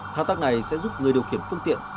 thao tác này sẽ giúp người điều khiển phương tiện